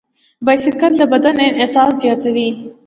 بایسکل د بدن انعطاف زیاتوي.